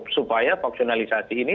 supaya vaksinalisasi ini